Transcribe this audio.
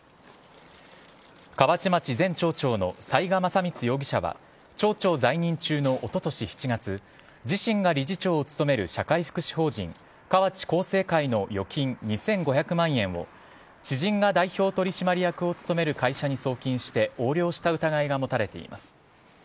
河内町前町長の雑賀正光容疑者は町長在任中のおととし７月自身が理事長を務める社会福祉法人河内厚生会の預金２５００万円を知人が代表取締役を務める会社に送金して横領した疑いが持たれています。